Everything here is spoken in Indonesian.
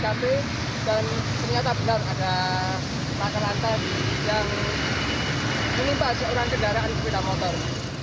dan ternyata benar ada takal lantas yang menimpa seorang kendaraan sepeda motor